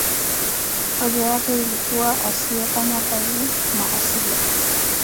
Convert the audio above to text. hoja yake ilikuwa asiyefanya kazi na asile